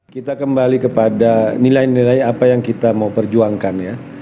kita kembali kepada nilai nilai apa yang kita mau perjuangkan ya